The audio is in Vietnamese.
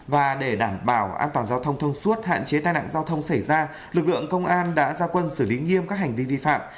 và để đảm bảo an toàn giao thông thông suốt hạn chế tai nạn giao thông xảy ra lực lượng công an đã ra quân xử lý nghiêm các hành vi vi phạm